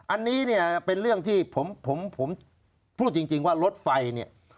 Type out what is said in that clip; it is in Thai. อันนี้เป็นเรื่องที่ผมพูดจริงว่ารถไฟ